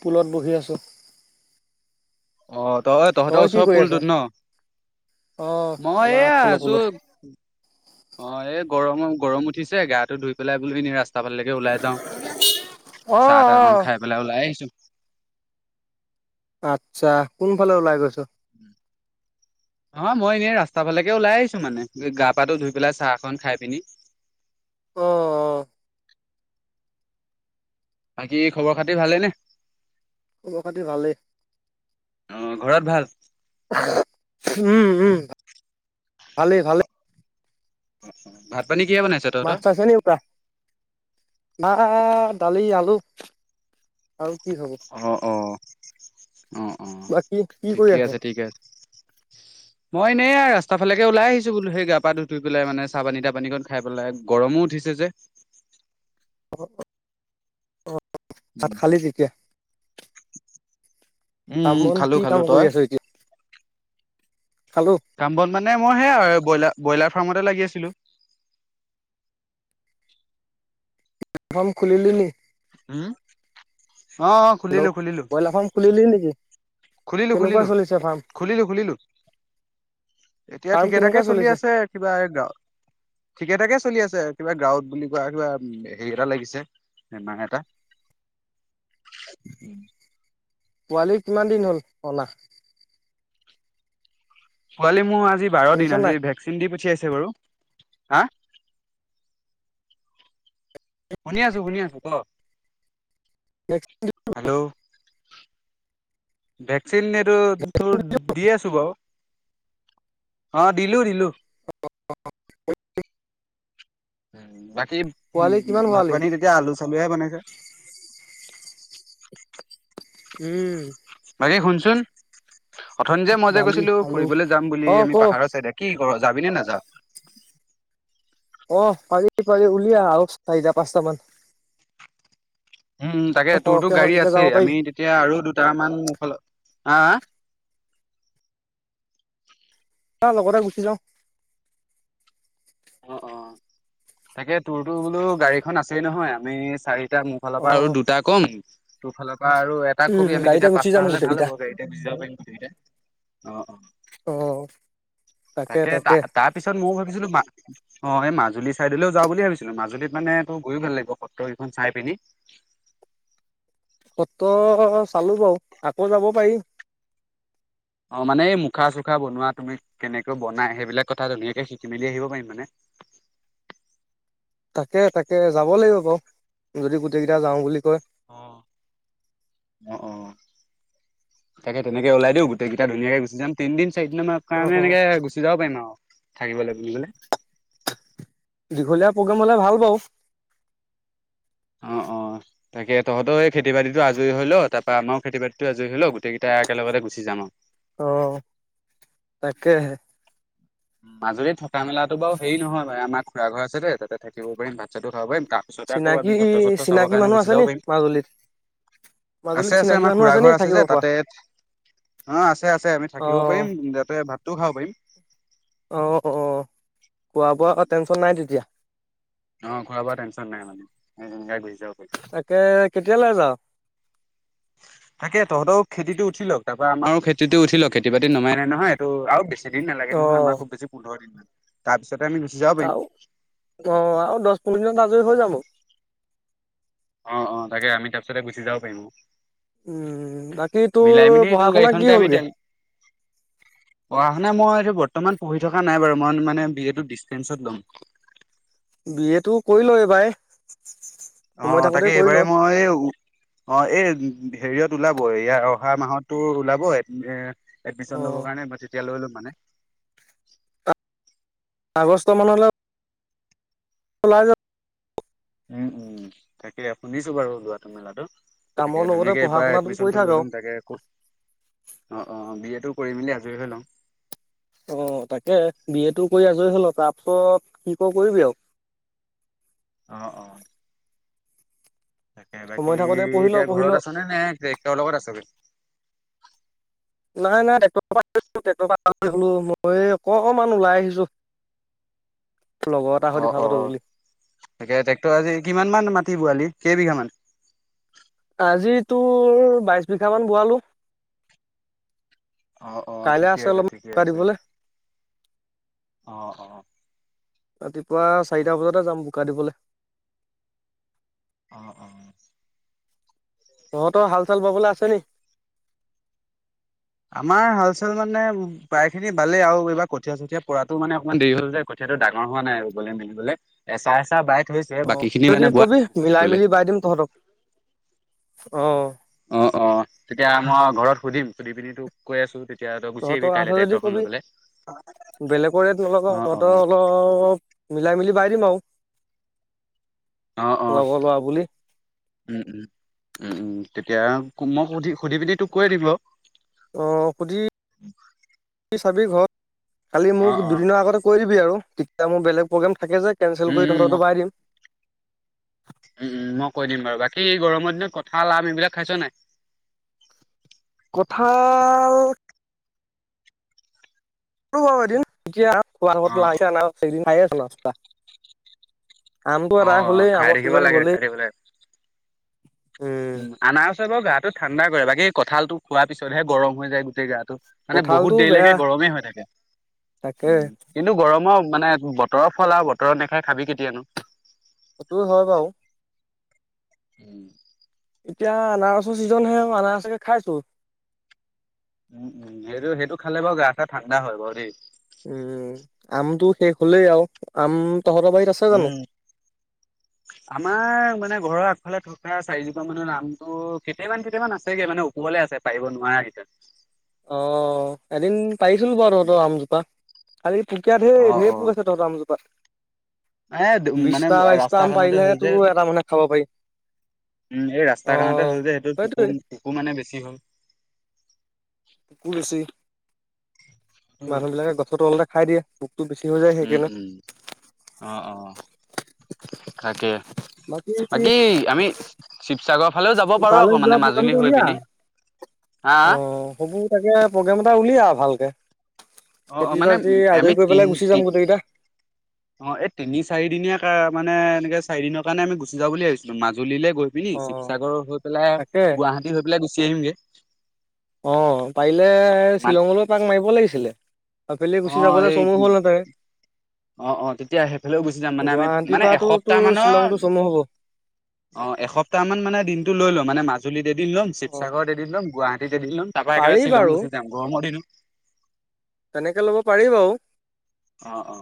পুলত বহি আছোঁ। অ তই তহঁতৰ ওচৰ কৰি আছ পুলটোত ন। অ মই আমাৰ এই আগফালৰ আছোঁ পুলত অ এই। গৰমত গৰম উঠিছে গাটো ধুই পেলাই বোলো এনেই ৰাস্তা। ৰাস্তা ফালে ওলাই যাওঁ অ চাহ তাহ অ অকণমান খাই পেলাই ওলাই আহিছোঁ। আচ্ছা কোনফালে ওলাই গৈছ। উম। অ মই এনেই ৰাস্তা ফালেকে ওলাই আহিছোঁ মানে গা পাটো ধুই পেলাই চাহ অকণমান খাই পিনি। [unintelligible] [inaudible] অ অ। বাকী খবৰ খাতি ভালেইনে খবৰ খাতি ভালেই আহ ঘৰত ভাল। উম, উম ভালে- ভালে ভাত পানী কিয় বনাইছ তহতৰ মাহ দালি আলু আৰু কি হব অ অ অঁ অঁ বাকী কি কৰি ঠিকে আছ আছে ঠিকে আছে মই এনেয়া ৰাস্তা ফালে ওলাই আহিছোলোেই গা ধুঠ পেলাই মান চ পানী তাপানী কত খাই পেলাই গৰমো উঠি দিছে যে ভাত উম খালি উম কামন খালো কি খালো কাম তই কৰি আছো এতিয়া খালো কাম্বন মানে মই সেয়া আৰু ব্ৰইলাৰ ব্ৰইলাৰ ফাৰ্মতে লাগি আছিলো ফাম খুলিল ন [unintelligible] উম অ অ হেল্ল' খুলিলো খুলিলো ব্ৰইলাৰ ফাৰ্ম খুলিলি নেকি খুলিলো কেনেকুৱা খুলিলো চলিছে ফাৰ্ম খুলিলো খুলিলো এতিয়া ফাৰ্ম ঠিকে ঠাকে কেনেকুৱা চলি চলিছে আছে কিবা এই গাঁৱত ঠিকে ঠাকে চলি আছে কিবা গাঁৱত বুলি কোৱা কিবা হেৰি এটা লাগিছে মা এটা [unintelligible] [inaudible] পোৱালি কিমান দিন হ'ল অনা পোৱালী মোৰ আজি বাৰ দিন শুনিছ আজি নাই ভেকচিন দি পঠিয়াইছে বাৰু হা [unintelligible] শুনি আছো শুনি আছো ক ন [unintelligible] হেল্ল' ভেকচিন এইটো তোৰ দি আছো বাৰু। অ দিলো -দিলো [inaudible] বাকী উ পোৱালি কিমান ভাত ভৰালি পানী তেতিয়া আলু-চালুহে বনাইছে উম। বাকী শুনচোন, অথনি যে মই যে দালি কৈছিলো আলু ফুৰিবলৈ যাম বুলি অ ক আমি পাহাৰৰ চাইদে কি অ যাবিনে নাযা? অ পাৰি-পাৰি উলিয়া আৰু চাৰিটা -পাঁচটা মান উম তাকে তোৰতো সৰহকে হয় গাড়ী তেতিয়া আছে যাব পাৰি আমি তেতিয়া আৰু দুটামান। হা। আহ লগতে গুচি যাও। অ, অ তাকে তোৰ তো বোলো গাড়ীখন আছেই নহয় আমি চাৰি। দুটা মোৰ ফালৰ অ পৰা আৰু দুটা কম তোৰ ফালৰ পৰা আৰু এটা উম কবি আমি গাড়ীতে তেতিয়া গুচি পাঁচটা যাম হ'লে ভাল গোটেইকেইটা হ'ব গাৰীতে গুচি যাব পাৰিম গোটেইকেইটাই অ অ অ তাকে ত তাৰ পিছত ময় ভাবিছিলো মা অ এই মাজুলী চাইদলৈও যাওঁ বুলি ভাবিছিলো মাজুলীত মানে তোৰ গৈয়ো ভাল লাগিব সত্ৰকেইখন চাই পিনি [inaudible] কত চালো বাৰু আকৌ যাব পাৰি। অ মানে এই মুখা -চুখা বনোৱা তুমি কেনেকে বনাই সেইবিলাক কথা ধুনীয়াকে শিকি মেলি আহিব পাৰিম মানে [inaudible] তাকে তাকে যাব লাগিব বাৰু যদি গোটেই কেইটা যাওঁ বুলি কয়। অ ন তাকে তেনেকে ওলাই দিওঁ গোটেইকেইটা ধুনাক গুচি যাম তিনদিন চাৰিদিনৰ অ কাৰণে অ এনেকে গুচি যাব পাৰিম আৰু থাকিবলৈ বোলি কলে। দীঘলীয়া প্ৰগ্ৰেম হলে ভাল বাউ অ অ তাকে তহঁতও এই খেতি বাতিটো আজৰি হলও তাৰ পৰা আমাৰো খেতি বাতিতো আজৰি হলও গোটেইকেইটাই একেলগতে গুচি জাম আউ অ তাকেহে মাজুলী থকা মেলাতো বাৰু হেৰি নহয় ম আমাৰ খুৰা ঘৰ আছে দে তাতে থাকিব পাৰিম ভাত চাতো খাব পাৰিম। তাৰপিছতে আকৌ চিনাকি আমি সত্ৰ-সত্ৰ চাবৰ চিনাকি কাৰণে মানুহ গুচি আছে নি যাব পাৰিম মাজুলীত মাজুলীত আছে-আছে চিনাকি আমাৰ মানুহ খুৰা নি ঘৰ আছে থাকিব যে পৰা তাতে অ আছে- আছে আমি অ থাকিব পাৰিম, তাতে ভাতটোও খাব পাৰিম অ অ খোৱা বোৱা টেনচন নাই তেতিয়া অ খোৱা- বোৱা টনচন নাই মানে, সেনেকাই কৰিম তাকে কেতিয়ালৈ যাও [inaudible] তাকে তহঁতৰ খেতিটো উঠিলওক তাৰ পৰা আমাৰো খেতিতটো উঠিলও খেতি বাতি নমাই নাই নহয় এইটো আৰু বেছি দিন নালাগে নহয় আমাৰ খুব বেছি পোন্ধৰ দিনমান তাৰ পিছত আৰু অ আৰু দহ পোন্ধ দিনত আযৰি হৈ যাব অ, অ তাকে আমি তাৰপিছতে গুচি যাব পাৰিম। উম বাকী তোৰ মিলাই পঢ়া শুনা কি হ'লগে। পঢ় শুনা মই বৰ্তমান পঢ়ি থকা নাই বাৰু মই মানে বি এ ডিঞ্চতেনচত ল'ম বি এ টো কৰি ল এইবাৰে অ তাকে এইবাৰে মই উ অ এই হেৰিয়ত ওলাব ইয়াৰ অহা মাহতো ওলাব এ অ এডমিশন ল'ব কাৰণেই তেতিয়ালৈ লম মানে আগষ্ট মানলে কলাইজত উম উম তাকে শুনিছো বাৰু লোৱাটোৰ মেলাটো কামৰ তাকে লগতে ধুনীয়াকে পঢ়া এইবাৰ শুনাটো কৰি এডমিনটো থাক লৈ আৰু লম তাকে ক অ অ বি এ টো কৰি মেলি আজৰি হৈ লওঁ অ তাকে বি এ টো কৰি আজৰি হৈ ল তাৰপিছত কি কৰ কৰিবি আৰু অ অ তাকে বাকী সময় থাকোতে পঢ়ি এতিয়া ল পঢ়ি ঘৰত ল আছনে নে টেক্ট্ৰৰ লগত আছগে নাই নাই টেক্টৰ পৰা টেক্ট্ৰৰ পৰা গলো মই অকমান ওলাই আহিছো লগৰ এটা সৈতে অ কথা অ পাতো বুলি তাকে ট্ৰেক্টৰ আজি কিমান মান মাটি বোৱালি কেই বিঘা মান আজি তোৰ বাইশ বিঘা মান বোৱালো অ অ কাইলৈ ঠিকে আছে অলপমান ঠিকে বোকা আছে দিবলৈ অ অ ৰাতিপুৱা চাৰিটা বজাতে যাম বোকা দিবলে অ অ তেল ভৰাবলৈ আছে নি আমাৰ হাল চাল মানে প্ৰায় খিনি বালেই আৰু এইবাৰ কঠীয়া চঠীয়া পৰাতো মানে অকমান দেৰি হল যে সেটো ডাঙৰ হোৱা নাই ৰুবলে মিলিবলে এচা এচাহ বাই থৈছে অ বাকী খিনি যদি মানে বোৱা কবি নাই বোকা মিলাই দিবলে। মিলি বাই দিম তহঁতক অ অ অ তেতিয়া মই ঘৰত সুধিম সুধি পিনি তোক কৈ আছো তেতিয়া তই গুচি আহিবি তহঁতৰ কাইলে আছে যদি ট্ৰেক্টৰখন লৈ কবি পেলাই। বেলেগৰ ৰেট অ নলগাও অ তহঁতৰ অলপ মিলাই মিলি বাই দিম আউ অ অ উম উম উম উম এতিয়া মই সুধি সুধি পিনি তোক কৈ দিম বাও অ সুধি চাবি ঘৰত খালি মোক অ', অ', দুদিনৰ আগতে কৈ দিবি আৰু তেতিয়া মোৰ বেলেগ প্ৰগ্ৰেম থাকে যে কেনঞ্চেল উম, কৰি ত উম, মই তহঁতৰ বাই দিম উম মই কৈ দিম বাৰু বাকী গৰমৰ দিনত কঁঠাল আম এইবিলাক খাইছ নাই। কঠাল ব এদিন এতিয়া খোৱাৰত অ', সেইদিন খাইে আছো নস্তা আমটো অ', আদাই অ', হ'লেই খাই আমৰ থাকিব ছিজন লাগে খাই গ'লেই থাকিব লাগে। উম আনাৰছে বাও গা টো ঠাণ্ডা কৰে বাকী কঠালটো খোৱাৰ পিছতহে গৰম হৈ যায় গোটেই গাটো। মানে কঁঠালটো বহুত বেয়া দেৰিলৈকে গৰমেই হৈ থাকে তাকে উ কিন্তু গৰমৰ মানে বতৰৰ ফল আৰু বতৰৰ নাখাই খাবি কেতিয়ানো। সেইটো হয় বাৰু উম। এতিয়া আনাৰসৰ চিজনহে আনাৰসকে খাইছো উম উম সেইটো সেইটো খালে বাৰু গা চা ঠাণ্ডা হয় বাও দেই উম আমটো শেষ হলেই আৰু আম তহঁতৰ বাৰীত আছে জানো উম আমাৰ মানে ঘৰৰ আগফালে থকা চাৰিজোপা মানৰ নামটো কেইটামান কেইটামান আছেগে মানে ওপৰলে আছে পাৰিব নোৱাৰ কেইটা [unintelligible] অ এদিন পাৰিছিলো বাৰ তহতৰ আমজোপা খালি পুকীয়া ঢেৰ পোক আছে তহঁতৰ আামজোপাত এ মানে বিছটা বাইশটা ৰাস্তা আম কাণতে হ'ল পাৰিলেহে যে তো এটা মানে খাব পাৰি উম এই অ ৰাস্তাখনতে হ'ল যে সেইটো সেইটোৱে কুকুৰ কুকুৰ মানে বেছি হ'ল। পোকো বেছি মানুহ বিলাকে গছৰ তলতে খাই দিয়ে বেছি হৈ যায় উম সেইকাৰণে উম অ অ তাকে। বাকী আমি শিৱসাগৰৰ ফালেও যাব পাৰো তালৈ আকৌ যোৱা মানে মাজুলী প্ৰগ্ৰামটো হৈ উলিয়া পিনি। হা অ হব তাকে প্ৰগ্ৰেম এটা উলিয়া ভালকে। অ অ খেতি মানে বাতি আমি আজৰি কৰি তিন পেলাই গুচি যাম গোটেইকেইটা। অ এই তিনি চাৰি দিনীয়া মানে এনেকে চাৰি দিনৰ কাৰণে আমি গুচি যাব বুলি ভাবিছিলো মাজুলীলৈ গৈ পি অ শিৱসাগৰ হৈ পেলাই তাকে গুৱাহাটী হৈ পেলাই গুচি আহিমগে। অ পাৰিলে মান শ্বিলঙলৈ তাক মাৰিব লাগিছিলে। আবেলি অ গুচি যাবলৈ এই চমু হ'ল হেতেন। অ অ তেতিয়া সেইফালেও গুচি যাম মানে আমি গুৱাহাটীৰ মানে পৰাতো এসপ্তাহ তোৰ মানৰ শ্বিলংটো চমু হ'ব, অ এসপ্তাহ মান মানে দিনটো লৈ লম মানে মাজুলীত এদিন ল'ম অ', শিৱসাগৰত এদিন ল'ম গুৱাহাটী লম তাৰপা একেবাৰে পাৰি শ্বিলং বাৰু। গুচি যাম গৰমৰ দিনো তেনেকে ল'ব পাৰি বাৰু, অ অ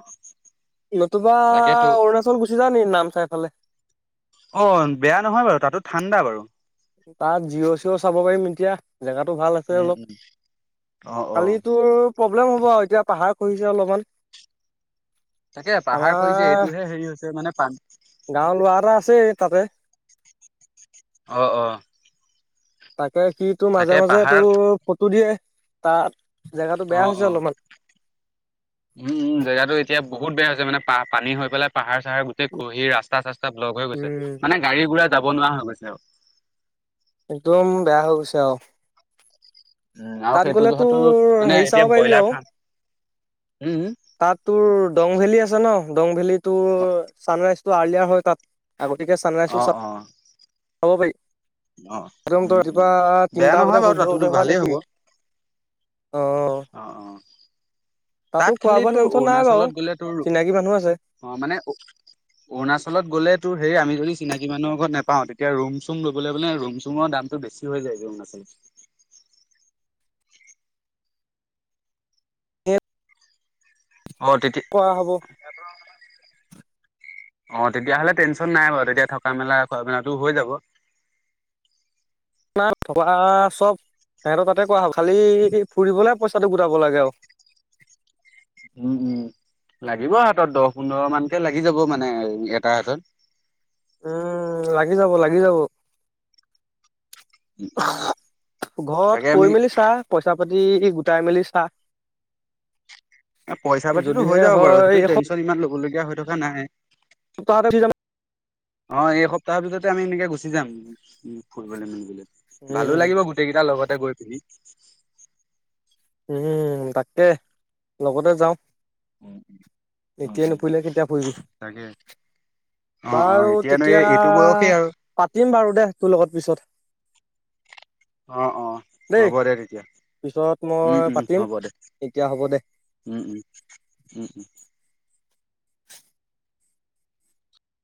নতুবা তাকেতো অৰুণাচল গুচি যাও নেকি নামচাই ফালে অ বেয়া নহয় বাৰু তাতো ঠাণ্ডা বাৰু তাত জিঅ' চিঅ' চাব পাৰিম এতিয়া জেগাতটো ভাল আছে উম উম অ অলপ। অ কালিতো প্ৰব্লেম হ'ব আৰু এতিয়া পাহাৰ খহিছে অলপমান। তাকে পাহাৰ খহিছে আমাৰ এইটোহে হেৰি হৈছে মানে পান গাঁৱৰ লৰা আছে তাতে অঁ অঁ ত সি তটো মাজে মাজে তোৰ ফটো দিয়ে তাত জেগাটো বেয়া অ হৈছে অ অলপমান, উম দে এতিয়া বহুত বেয়া হৈছে মানে পানী হৈ পেলাই পাহাৰ চাহাৰ গোটেই ঘহি ৰাস্তা চাস্তা ব্লগ হৈ গৈছে উম, মানে গাড়ী ঘোঁৰা যাব নোৱাৰা হৈ গৈছে আৰু একদম বেয়া হৈ গৈছে আৰু। উম আৰু তাত সেইটো গ'লে যোৱা টো তোৰ মানে হেৰি চাব এতিয়া পাৰিবি ব্ৰইলাৰ আৰু ফাৰ্ম উম, তাত তোৰ দং ভেলী আছে ন দং ভেলী তোৰ অ', ছানৰাইজটো আৰ্লিয়াৰ হয় তাত আগতিকে চানাইছো চ অ', অ', চাব পাৰি। অ', একদম উম, তই উম, ৰাতিপুৱা বেয়া তিনটা নহয় বতে বাৰু সূৰ্য তাতো উদয় হোৱা ভালেই হ'ব দেখিবি। অ অ অ তাতো তাত খোৱা খালি বোৱা তোৰ টেনচন নাই বাৰু অৰুণাচলত গ'লে তোৰ চিনাকি মানুহ আছে অ মানে অৰুণাচলত গলে তোৰ হেৰি আমি যদি চিনাকি মানুহৰ লগত নাপাওঁ, তেতিয়া ৰুম চুম ল'বলৈ মানে ৰুম চুমৰ দামটো বেছি হৈ যায় যে অৰুণাচলত। [inaudible] অ তেতিয়া কৰা হ'ব অ তেতিয়াহ'লে টেনচন নাই বাৰু, তেতিয়া থকা মেলা খোৱা মেলাটো হৈ যাব। [unintelligible] ন থবা চব। সিহতো তাতে কোৱা হ'ল খালি ফুৰিবলে পইচাটো গোটাব লাগে আৰু। উম উম। লাগিব হাতত দহ পোন্ধৰ মানকে লাগি যাব মানে এটাৰ হাতত। উম লাগি যাব লাগি যাব। ঘৰত তাকে আমি কৈ মেলি চা, পইচা পাতি এই গোটাই মেলি চাহ। পইচা পাতিতো হৈ যাব বাৰু সেইটো টেনচন ইমান লবলগীয়া হৈ থকা নাই। ক তি যান [unintelligible] অ এই সপ্তাহৰ ভিততে আমি এনেকে গুচি যাম উ ফুৰিবলৈ মেলিবলৈ। ভালো উম লাগিব গোটেই কেইটাৰ লগতে গৈ পিনি। উম তাকে লগতে যাও। উম উ উম উম কেতিয়া ফুৰিবি তাকে। অ অ বাৰু এতিয়ানো তেতিয়া এই এইটো বয়সেই আৰু পাতিম বাৰু। দে তোৰ লগত পিছত। অ অ দেই হ'ব দে তেতিয়া। পিছত উম মই উম পাতিম হ'ব দে এতিয়া হ'ব দে উম উম উম উম।